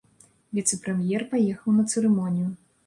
Віцэ-прэм'ер паехаў на цырымонію.